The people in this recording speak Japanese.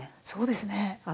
そうですね。